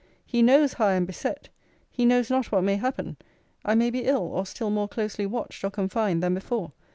He knows how I am beset. He knows not what may happen. I may be ill, or still more closely watched or confined than before.